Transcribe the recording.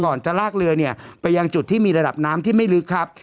จะลากเรือเนี่ยไปยังจุดที่มีระดับน้ำที่ไม่ลึกครับ